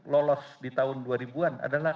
lolos di tahun dua ribu an adalah